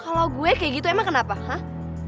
kalau gue kayak gitu emang kenapa hah